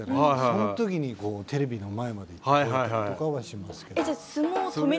その時にテレビの前まで行ってほえたりとかはします。